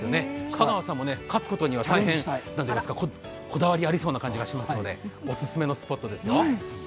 香川さんも勝つことには大変こだわりありそうな感じがしますのでお勧めのスポットですよ。